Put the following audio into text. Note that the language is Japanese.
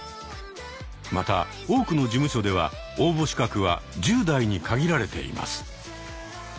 また多くの事務所では応募資格は１０代に限られています。